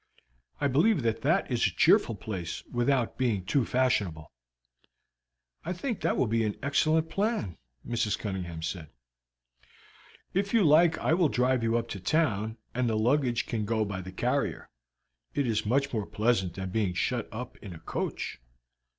I believe that that is a cheerful place without being too fashionable." "I think that will be an excellent plan," Mrs. Cunningham said. "If you like I will drive you up to town, and the luggage can go by the carrier; it is more pleasant than being shut up in a coach."